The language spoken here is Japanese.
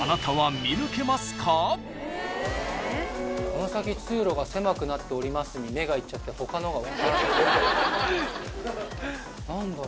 「この先通路が狭くなっております」に目がいっちゃって他のが分からない。